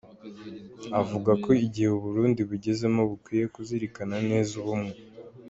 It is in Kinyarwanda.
Avuga ko igihe Uburundi bugezemo bukwiye kuzirikana neza ubumwe.